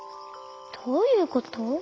どういうこと？